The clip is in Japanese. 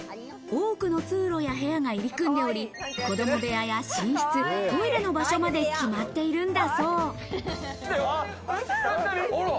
多くの通路や部屋が入り組んでおり、子供部屋や寝室、トイレの場所まで決まっているんだそう。